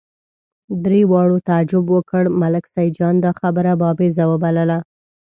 درې واړو تعجب وکړ، ملک سیدجان دا خبره بابېزه وبلله.